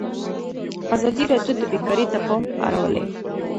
ازادي راډیو د بیکاري ته پام اړولی.